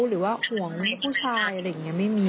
หรือว่าห่วงให้ผู้ชายอะไรอย่างนี้ไม่มี